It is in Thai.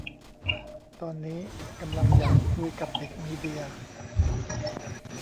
ตอนนี้ กำลังอยากคุยกับเด็กมีเดีย